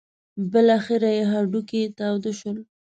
بالاخره یې هډوکي تود شول.